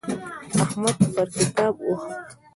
احمد پر کتاب وخوت.